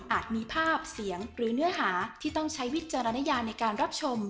มีภาพเสียงหรือเนื้อหาที่ต้องใช้วิจารณญาในการรับชม